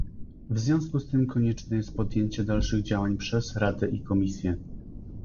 W związku z tym konieczne jest podjęcie dalszych działań przez Radę i Komisję